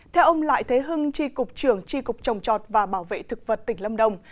theo ông lại thế hưng tri cục trưởng tri cục trồng chọt và bảo vệ thực vật tỉnh lâm đồng